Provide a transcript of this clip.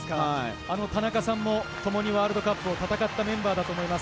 田中さんも共にワールドカップを戦ったメンバーだと思います。